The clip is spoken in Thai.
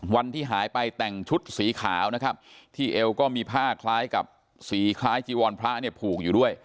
วันที่หายไปแต่งชุดสีขาวนะครับที่เอวก็มีผ้าคล้ายกับสีคล้ายจีวรพระเนี่ยผูกอยู่ด้วย